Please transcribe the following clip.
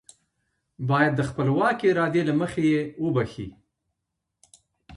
بايد د خپلواکې ارادې له مخې يې وبښي.